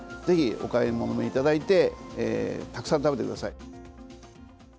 ぜひお買い求めいただいてたくさん食べてください。